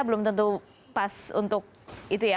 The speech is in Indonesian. belum tentu pas untuk itu ya